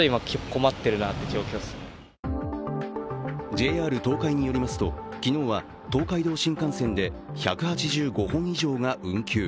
ＪＲ東海によりますと、昨日は東海道新幹線で１８５本以上が運休。